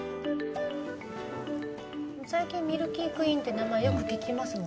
最近ミルキークイーンって名前よく聞きますもんね。